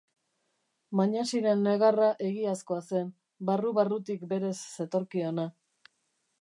Mañasiren negarra egiazkoa zen, barru-barrutik berez zetorkiona.